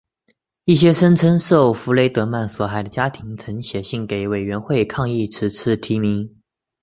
一些声称受弗雷德曼所害的家庭曾写信给委员会抗议此次提名。